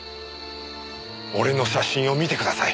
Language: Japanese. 俺の写真を見てください。